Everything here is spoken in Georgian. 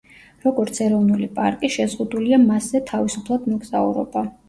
როგორც ეროვნული პარკი, შეზღუდულია მასზე თავისუფლად მოგზაურობა.